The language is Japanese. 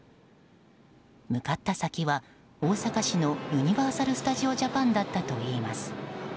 向かった先は、大阪市のユニバーサル・スタジオ・ジャパンだったといいます。